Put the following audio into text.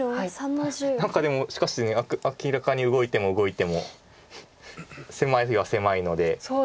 何かでも明らかに動いても動いても狭いは狭いので。